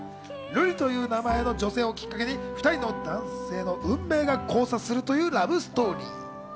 瑠璃という名前の女性をきっかけに２人の男性の運命が交錯するというラブストーリー。